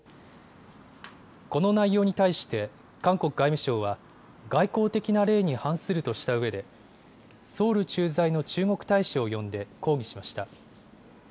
この内容に対して韓国外務省は外交的な礼に反するとしたうえでソウル駐在の中国大使を呼んで抗議しました。